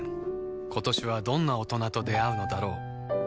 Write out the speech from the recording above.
今年はどんな大人と出会うのだろう